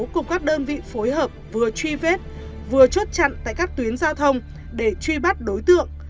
cùng các đơn vị phối hợp vừa truy vết vừa chốt chặn tại các tuyến giao thông để truy bắt đối tượng